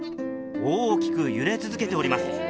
大きく揺れ続けております。